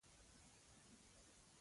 هو دا کار ما کړی دی.